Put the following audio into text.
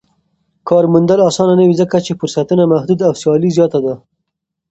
کار موندل اسانه نه وي ځکه چې فرصتونه محدود او سیالي زياته ده.